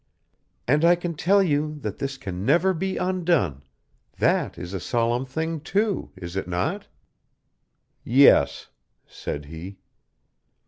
"And I can tell you that this can never be undone. That is a solemn thing, too, is it not?" "Yes," said he.